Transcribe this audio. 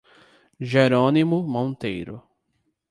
Jerônimo Monteiro